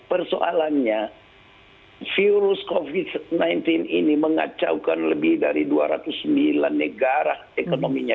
persoalannya virus covid sembilan belas ini mengacaukan lebih dari dua ratus sembilan negara ekonominya